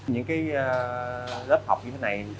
những cái lớp học như thế này